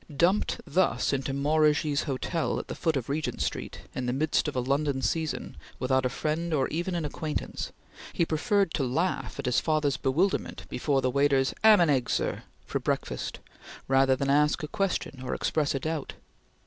Dumped thus into Maurigy's Hotel at the foot of Regent Street, in the midst of a London season, without a friend or even an acquaintance, he preferred to laugh at his father's bewilderment before the waiter's "'amhandheggsir" for breakfast, rather than ask a question or express a doubt.